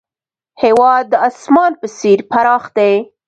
هېواد د اسمان په څېر پراخ دی.